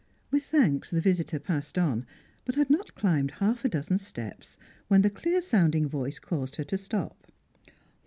With thanks the visitor passed on, but had not climbed half a dozen steps when the clear sounding voice caused her to stop.